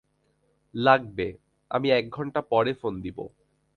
লাগবে, আমি এক ঘন্টা পর ফোন দিব।